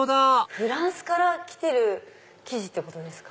フランスから来てる生地ですか？